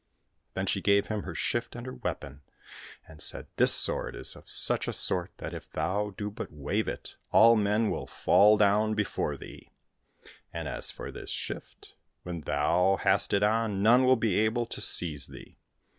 — Then she gave him her shift and her weapon, and said, " This sword is of such a sort that, if thou do but wave it, all men will fall down before thee ; and as for this shift, when once thou hast it on, none will be able to seize thee.